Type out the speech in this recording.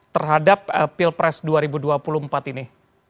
terhadap pilpres dua ribu dua puluh empat ini